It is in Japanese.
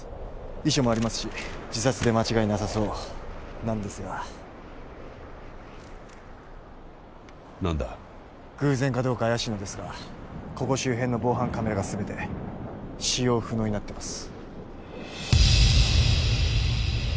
遺書もありますし自殺で間違いなさそうなんですが何だ偶然かどうか怪しいのですがここ周辺の防犯カメラが全て使用不能になってます